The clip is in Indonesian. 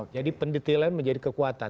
jadi pendetailan menjadi kekuatan